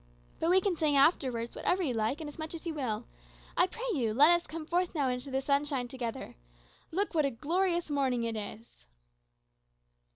"But we can sing afterwards, whatever you like, and as much as you will. I pray you let us come forth now into the sunshine together. Look, what a glorious morning it is!"